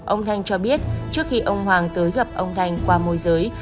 ông thanh cho biết trước khi ông hoàng tới gặp ông thanh qua môi giới